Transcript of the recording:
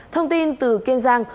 thông tin từ kiên giang